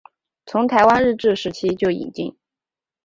从台湾日治时期就引进。